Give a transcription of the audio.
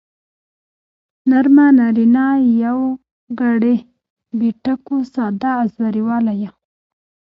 نرمه نارينه يوگړې بې ټکو ساده او زورواله يا